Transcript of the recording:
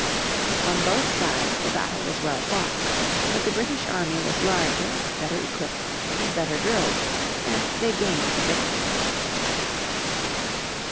On both sides the battle was well fought. But the British army was larger, better equipped, and better drilled, and they gained the victory.